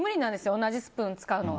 同じスプーン使うの。